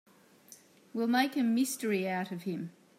We'll make a mystery out of him.